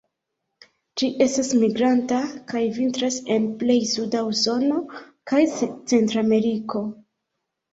Ĝi estas migranta, kaj vintras en plej suda Usono kaj Centrameriko.